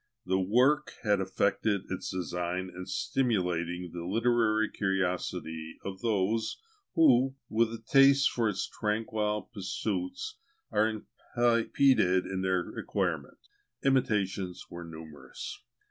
The work had effected its design in stimulating the literary curiosity of those, who, with a taste for its tranquil pursuits, are impeded in their acquirement. Imitations were numerous.